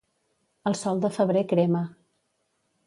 El sol de febrer crema.